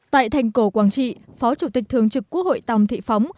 tại thành cổ quảng trị phó chủ tịch thường trực quốc hội tòng thị phóng